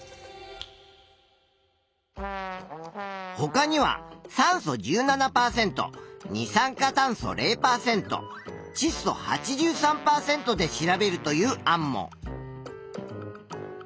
ほかには酸素１７％二酸化炭素０％ちっ素８３％で調べるという案も。